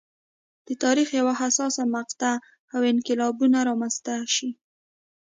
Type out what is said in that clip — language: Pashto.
د تاریخ یوه حساسه مقطعه او انقلابونه رامنځته شي.